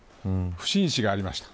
不審死がありました。